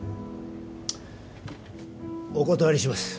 お断りします。